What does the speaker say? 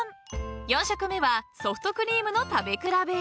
［４食目はソフトクリームの食べ比べ］